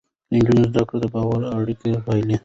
د نجونو زده کړه د باور اړيکې پالي.